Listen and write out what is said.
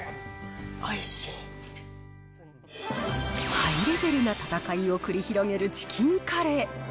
ハイレベルな戦いを繰り広げるチキンカレー。